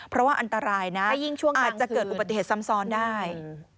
เพราะว่าอันตรายนะยิ่งช่วงอาจจะเกิดอุบัติเหตุซ้ำซ้อนได้